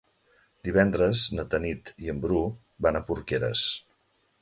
Divendres na Tanit i en Bru van a Porqueres.